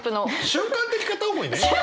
瞬間的片思い！